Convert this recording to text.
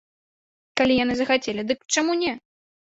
Калі яны захацелі, дык чаму не?